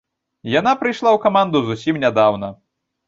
Яна прыйшла ў каманду зусім нядаўна.